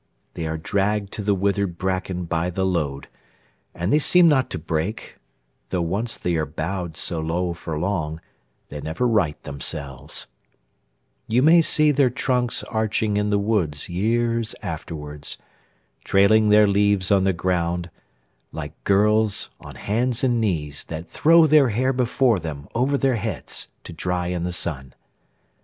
They are dragged to the withered bracken by the load, And they seem not to break; though once they are bowed So low for long, they never right themselves: You may see their trunks arching in the woods Years afterwards, trailing their leaves on the ground Like girls on hands and knees that throw their hair Before them over their heads to dry in the sun.